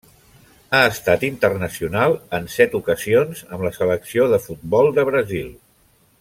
Ha estat internacional en set ocasions amb la selecció de futbol de Brasil.